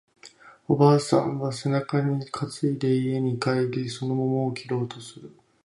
おばあさんは背中に担いで家に帰り、その桃を切ろうとする